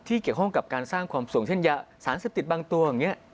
เกี่ยวข้องกับการสร้างความสูงเช่นยาสารเสพติดบางตัวอย่างนี้